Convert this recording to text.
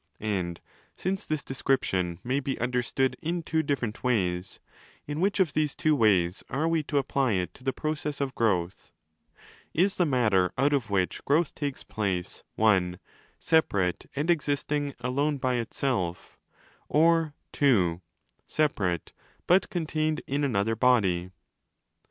And since this description may be understood in two different: ways, in which of these two ways are we to apply it to the process of growth? Is the matter, out of which growth takes place, (i) 'separate' and existing alone by itself, or (ii) 'separate' but contained in another body